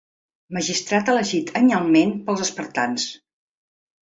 Magistrat elegit anyalment pels espartans.